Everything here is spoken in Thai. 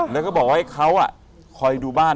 แล้วก็บอกว่าให้เขาคอยดูบ้าน